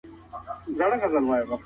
اسلام تل د عدالت ږغ پورته کړی دی.